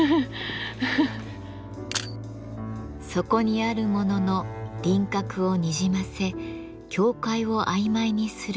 そこにあるものの輪郭をにじませ境界をあいまいにする霧。